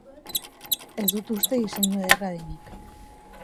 Ez dut uste diseinu ederra denik.